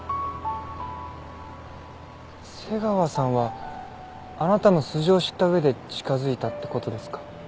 瀬川さんはあなたの素性を知った上で近づいたって事ですか？